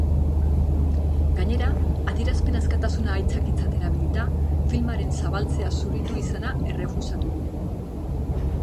Gainera, adierazpen askatasuna aitzakitzat erabilita, filmaren zabaltzea zuritu izana errefusatu du.